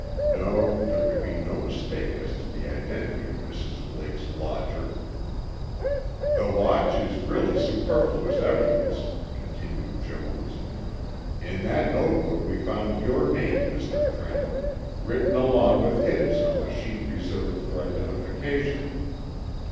No, there could be no mistake as to the identity of Mrs. Blake's lodger! "The watch is really superfluous evidence," continued Jones. "In that notebook we found your name, Mr. Trenton, written along with his on the sheet reserved for identification."